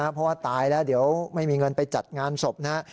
เพราะว่าตายแล้วเดี๋ยวไม่มีเงินไปจัดงานศพนะฮะ